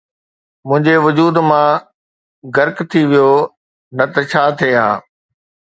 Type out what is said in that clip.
منهنجي وجود مان غرق ٿي ويو، نه ته ڇا ٿئي ها